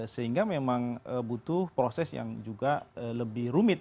sehingga memang butuh proses yang juga lebih rumit